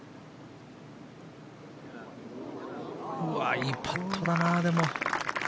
いいパットだな、でも。